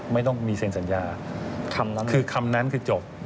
ไม่ต้องมีเซ็นสัญญาคำนั้นคือจบ